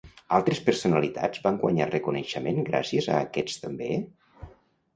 Altres personalitats van guanyar reconeixement gràcies a aquests també?